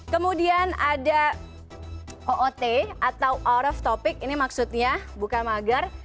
kemudian ada oot atau our of topic ini maksudnya bukan mager